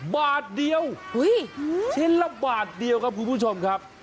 บาทเดียวชิ้นละบาทเดียวครับคุณผู้ชมครับ